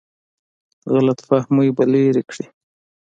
غلط فهمۍ به لرې کړي.